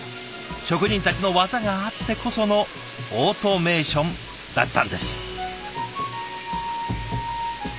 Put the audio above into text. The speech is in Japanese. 職人たちの技があってこそのオートメーションだったんです。